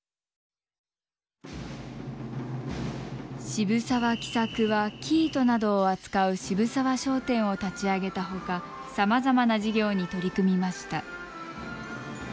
渋沢喜作は生糸などを扱う渋沢商店を立ち上げたほかさまざまな事業に取り組みました。